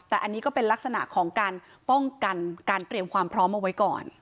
แต่อันนี้ก็เป็นลักษณะของการป้องกันการเตรียมความพร้อมเอาไว้ก่อน